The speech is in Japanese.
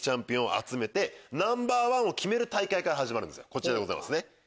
こちらでございますね。